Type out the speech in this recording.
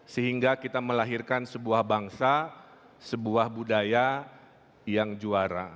sehingga kita melahirkan sebuah bangsa sebuah budaya yang juara